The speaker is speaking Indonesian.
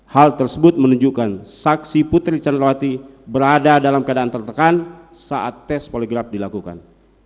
hal tersebut menunjukkan saksi putri candrawati berada dalam keadaan tertekan saat tes poligraf dilakukan